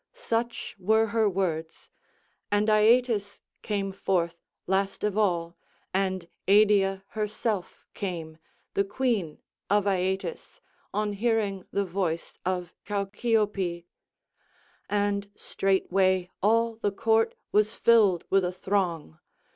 Such were her words; and Aeetes came forth last of all and Eidyia herself came, the queen of Aeetes, on hearing the voice of Chalciope; and straightway all the court was filled with a throng.